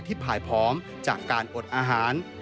ภายพร้อมจากการอดอาหาร